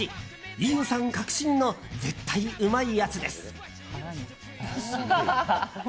飯尾さん確信の絶対うまいやつです。